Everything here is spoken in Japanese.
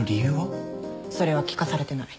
それは聞かされてない。